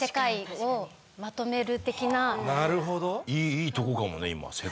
いいとこかもね今世界。